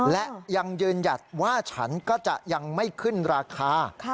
และยังยืนหยัดว่าฉันก็จะยังไม่ขึ้นราคา